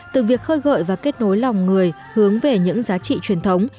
từ việc khơi gợi và kết nối lòng người hướng về những giá trị truyền thống